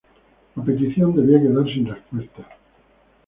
La petición debía quedar sin respuesta.